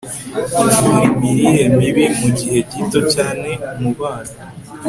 ivura imirire mibi mu gihe gito cyane mu bana